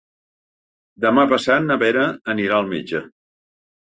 Demà passat na Vera anirà al metge.